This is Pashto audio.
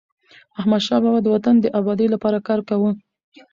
احمدشاه بابا د وطن د ابادی لپاره کار کاوه.